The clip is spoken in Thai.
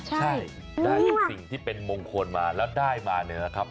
ใช่ได้สิ่งที่เป็นมงคลมาแล้วได้มาเนี่ยนะครับ